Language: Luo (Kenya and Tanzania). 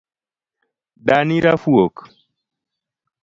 Dani rafuok